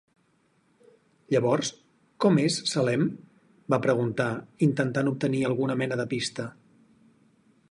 "Llavors, com és Salem?" va preguntar, intentant obtenir alguna mena de pista.